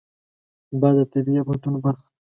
باد د طبیعي افتونو برخه ده